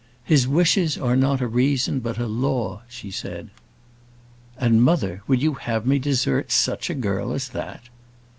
'His wishes are not a reason; but a law,' she said " "And, mother, would you have me desert such a girl as that?"